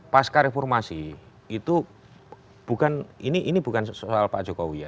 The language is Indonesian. pasca reformasi itu bukan ini bukan soal pak jokowi ya